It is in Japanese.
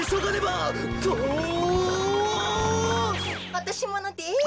おとしものです。